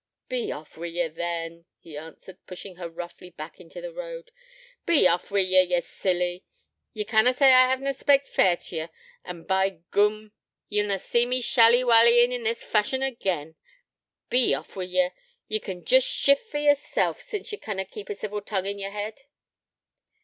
'Be off wi' ye, then,' he answered, pushing her roughly back into the road. 'Be off wi' ye, ye silly. Ye canna say I hav na spak fair t' ye, an', by goom, ye'll na see me shally wallyin this fashion agin. Be off wi' ye: ye can jest shift for yerself, since ye canna keep a civil tongue in yer head.'